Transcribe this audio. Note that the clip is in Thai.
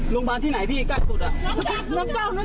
ช่วยหน่อย